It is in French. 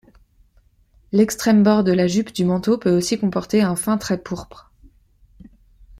L’extrême bord de la jupe du manteau peut aussi comporter un fin trait pourpre.